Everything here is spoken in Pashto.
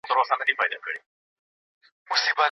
بالښت کلک نه وي.